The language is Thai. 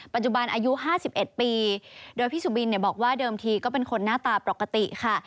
อายุ๕๑ปีโดยพี่สุบินบอกว่าเดิมทีก็เป็นคนหน้าตาปกติค่ะ